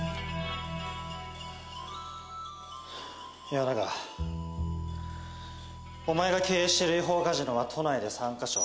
はぁ岩永お前が経営してる違法カジノは都内で３か所。